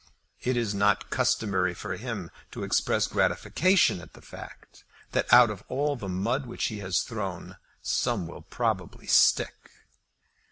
It is not customary for him to express gratification at the fact, that out of all the mud which he has thrown, some will probably stick!